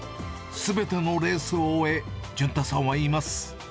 すべてのレースを終え、潤太さんは言います。